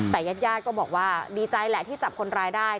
แต่ญาติญาติก็บอกว่าดีใจแหละที่จับคนร้ายได้